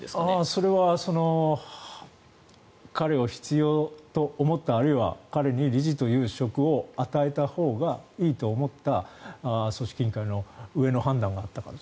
それは彼を必要と思ったあるいは彼に理事という職を与えたほうがいいと思った、組織委員会の上の判断があったから。